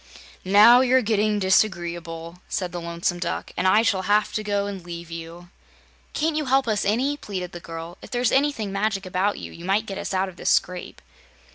"Now you're getting disagreeable," said the Lonesome Duck, "and I shall have to go and leave you." "Can't you help us any," pleaded the girl. "If there's anything magic about you, you might get us out of this scrape."